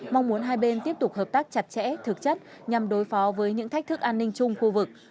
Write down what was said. mong muốn hai bên tiếp tục hợp tác chặt chẽ thực chất nhằm đối phó với những thách thức an ninh chung khu vực